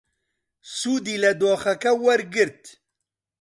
سوودی لە دۆخەکە وەرگرت.